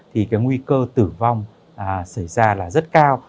thì nguy cơ tử vong xảy ra rất cao